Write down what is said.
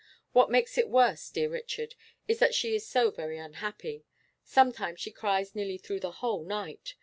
What makes it worse, dear Richard, is that she is so very unhappy. Sometimes she cries nearly through the whole night.